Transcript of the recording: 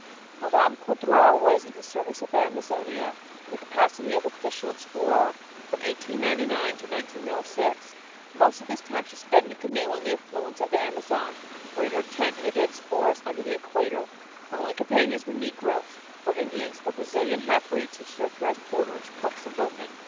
Mme. Coudreau was in the service of Amazonia, in the capacity of official explorer, from 1899 to 1906. Most of this time she spent in a canoe on the affluents of the Amazon, or in her tent in the dense forests under the equator. Her only companions were negroes, or Indians, or Brazilian halfbreeds who served her as porters, cooks and boatmen.